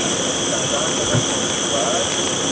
هیڅوک باید د خپلي ناروغۍ له امله ونه رټل سي.